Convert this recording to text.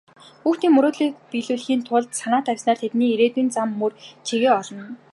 Хүүхдүүдийн мөрөөдлийг биелүүлэхийн тулд санаа тавьснаар тэдний ирээдүйн зам мөр чигээ олно.